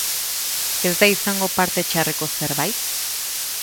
Ez da izango parte txarreko zerbait?